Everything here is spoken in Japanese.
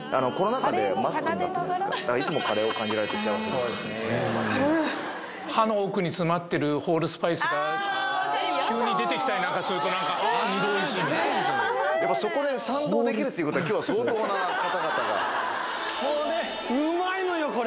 だから歯の奥に詰まってるホールスパイスが急に出てきたりなんかすると何かやっぱそこで賛同できるっていうことは今日は相当な方々がこれ！